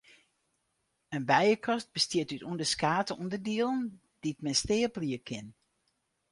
In bijekast bestiet út ûnderskate ûnderdielen dy't men steapelje kin.